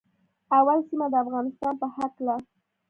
اول سیمه د افغانستان په هکله